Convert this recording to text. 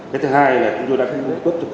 cái thứ hai là chúng tôi đã phục vụ